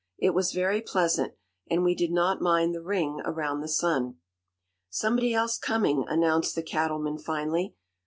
It was very pleasant, and we did not mind the ring around the sun. "Somebody else coming," announced the Cattleman finally.